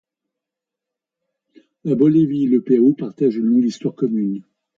La Bolivie et le Pérou partagent une longue histoire commune.